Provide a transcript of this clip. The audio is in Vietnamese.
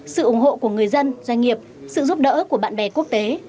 sự ủng hộ của người dân doanh nghiệp sự giúp đỡ của bạn bè quốc tế